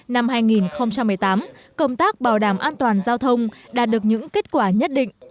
năm hai nghìn một mươi tám công tác bảo đảm an toàn giao thông đạt được những kết quả nhất định